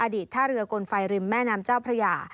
ท่าเรือกลไฟริมแม่น้ำเจ้าพระยา